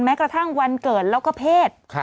กระทั่งวันเกิดแล้วก็เพศ